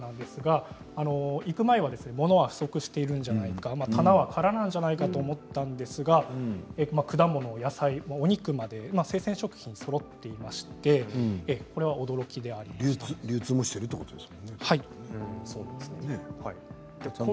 行く前は物が不足しているんじゃないか棚は空なんじゃないかと思ったんですが果物、野菜、お肉もあり生鮮食品がそろっていまして流通もしているということですね。